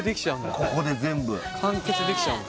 ここで全部完結できちゃうんだ